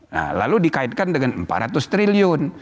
nah lalu dikaitkan dengan empat ratus triliun